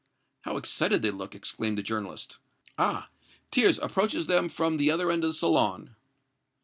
"How excited they look!" exclaimed the journalist. "Ah! Thiers approaches them from the other end of the salon!"